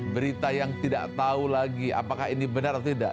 berita yang tidak tahu lagi apakah ini benar atau tidak